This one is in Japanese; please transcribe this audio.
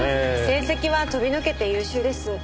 成績は飛び抜けて優秀です。